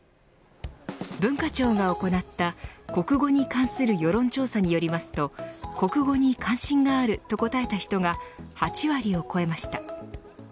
文化庁が行った国語に関する世論調査によりますと国語に関心があると答えた人が８割を超えました。